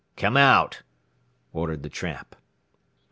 "Come out!" ordered the tramp.